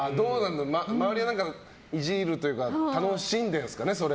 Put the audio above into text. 周りがイジるというか楽しんでるんですかね。